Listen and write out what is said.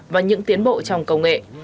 và những tiến bộ trong công nghệ